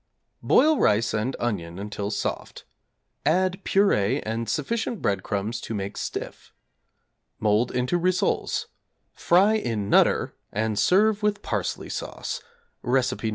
Boil rice and onion until soft; add purée and sufficient breadcrumbs to make stiff; mould into rissoles; fry in 'Nutter,' and serve with parsley sauce, (Recipe No.